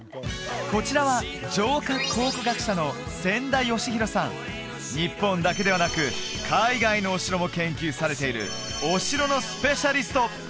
こちらは日本だけではなく海外のお城も研究されているお城のスペシャリスト！